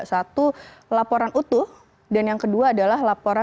satu laporan utuh dan yang kedua adalah laporan